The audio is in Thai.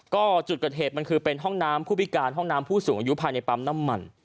ก็จุดเกิดเหตุมันคือเป็นห้องน้ำผู้พิการห้องน้ำผู้สูงอายุภายในปั๊มน้ำมัน